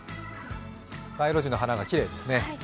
街路樹の花がきれいですね。